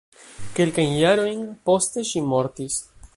Kelkajn jarojn poste ŝi mortis.